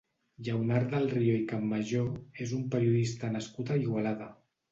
Lleonard del Rio i Campmajó és un periodista nascut a Igualada.